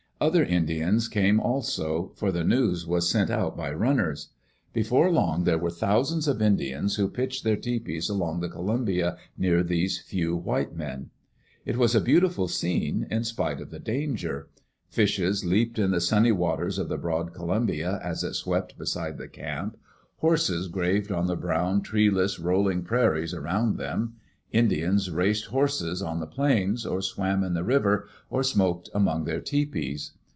Other Indians came also, for the news was sent out by runners. Before long there were thousands of Indians who pitched their tepees along the Columbia near these few white men. It was a beautiful scene, in spite of the danger. Fishes leaped in the sunny waters of the broad Columbia as it swept beside the camp ; horses grazed on the brown, tree less, rolling prairies around them; Indians raced horses on the plains, or swam in the river, or smoked among their tepees.